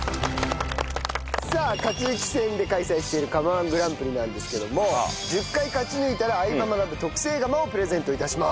さあ勝ち抜き戦で開催している釜−１グランプリなんですけども１０回勝ち抜いたら『相葉マナブ』特製釜をプレゼント致します。